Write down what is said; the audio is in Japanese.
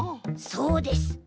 そうです。